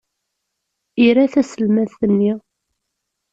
Ira taselmadt-nni.